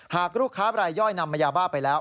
หากลูกค้าบรายย่อยนำมายาบ้าไปแล้ว